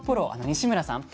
西村さん